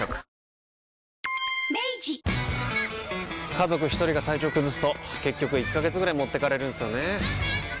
家族一人が体調崩すと結局１ヶ月ぐらい持ってかれるんすよねー。